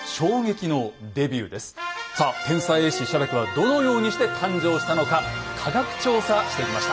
さあ天才絵師・写楽はどのようにして誕生したのか科学調査してきました。